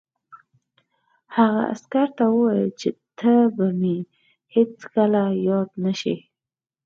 هغه عسکر ته وویل چې ته به مې هېڅکله یاد نه شې